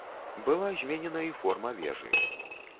Была зменена і форма вежы.